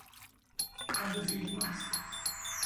Ha due figli maschi.